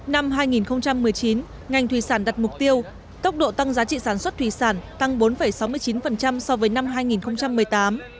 năm hai nghìn một mươi chín ngành thủy sản đặt mục tiêu tốc độ tăng giá trị sản xuất thủy sản tăng bốn sáu mươi chín so với năm hai nghìn một mươi tám